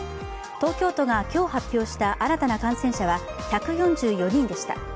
東京都が今日発表した新たな感染者は１４４人でした。